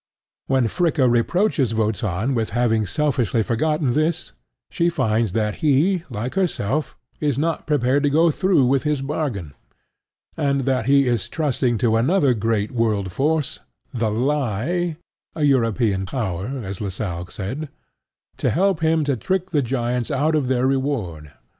When Fricka reproaches Wotan with having selfishly forgotten this, she finds that he, like herself, is not prepared to go through with his bargain, and that he is trusting to another great worldforce, the Lie (a European Power, as Lassalle said), to help him to trick the giants out of their reward.